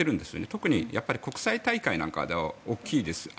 特に国際大会なんかでは大きいです。